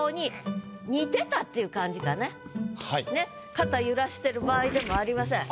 肩揺らしてる場合でもありません。